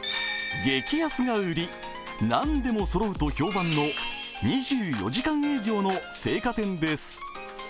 激安がウリ、何でもそろうと評判の２４時間営業の青果店です。